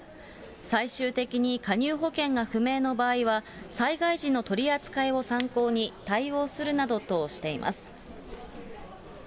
最終的に加入保険が不明の場合は、災害時の取り扱いを参考に対応するなどとしています。